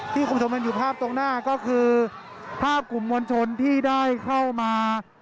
คุณผู้ชมเห็นอยู่ภาพตรงหน้าก็คือภาพกลุ่มมวลชนที่ได้เข้ามา